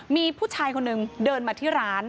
มีผู้ชายคนหนึ่งเดินมาที่ร้าน